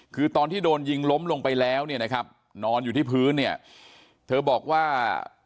คือตอนที่โดนยิงล้มลงไปแล้วเนี่ยนะครับนอนอยู่ที่พื้นเนี่ยเธอบอกว่า